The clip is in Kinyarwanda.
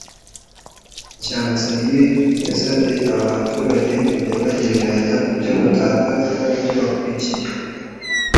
Cyanzayire yasabye aba baturage kujya bagereranya ibyo batakaza n’ibyo bakurikiye